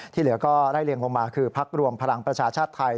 ที่เหลือก็ได้เรียงลงมาคือภักดิ์รวมพลังประชาชาไทย